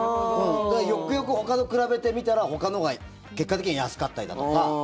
よくよくほかと比べてみたらほかのほうが結果的には安かったりだとか。